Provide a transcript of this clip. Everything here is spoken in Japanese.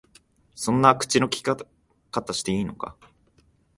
そんな口の利き方していいのか？